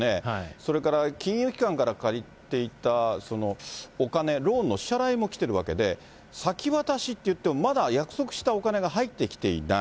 それから金融機関から借りていたお金、ローンの支払いも来てるわけで、先渡しといってもまだ約束したお金が入ってきていない。